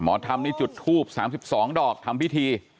หมอธรรมดิจุดฮูบ๓๒ดอกทำพิธี